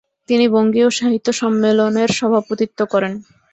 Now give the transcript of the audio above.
তিনি বঙ্গীয় সাহিত্য সম্মেলনের সভাপতিত্ব করেন।